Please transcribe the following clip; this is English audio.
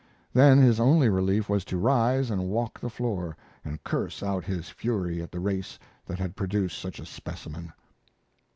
Then his only relief was to rise and walk the floor, and curse out his fury at the race that had produced such a specimen.